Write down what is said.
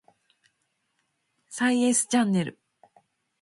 サイエンスチャンネル